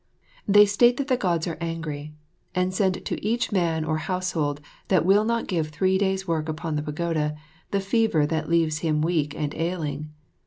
They state that the Gods are angry and send to each man or household that will not give three days' work upon the Pagoda the fever that leaves him weak and ailing.